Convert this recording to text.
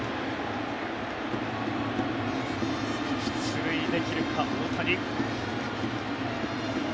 出塁できるか、大谷。